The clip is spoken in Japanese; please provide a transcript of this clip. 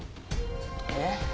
えっ？